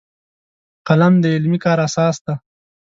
قلم د علمي کار اساس دی